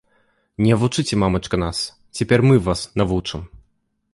Не вучыце, мамачка, нас, цяпер мы вас навучым.